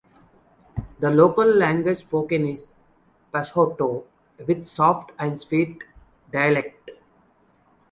The local language spoken is Pashto with soft and sweet dialect.